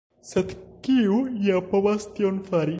Sed kiu ja povas tion fari?